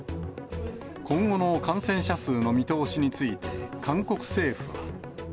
今後の感染者数の見通しについて、韓国政府は。